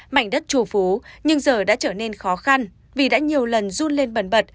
mảnh đất trù phú nhưng giờ đã trở nên khó khăn vì đã nhiều lần run lên bần bật